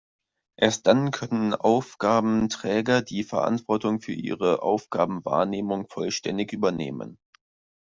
Erst dann können Aufgabenträger die Verantwortung für ihre Aufgabenwahrnehmung vollständig übernehmen.